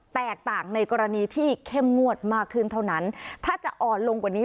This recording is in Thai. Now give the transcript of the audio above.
แตกต่างในกรณีที่เข้มงวดมากขึ้นเท่านั้นถ้าจะอ่อนลงกว่านี้